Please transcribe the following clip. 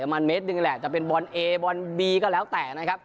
ประมาณเมตรหนึ่งแหละจะเป็นบอลเอบอลบีก็แล้วแต่นะครับ